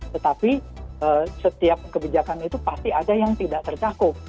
tetapi setiap kebijakan itu pasti ada yang tidak tercakup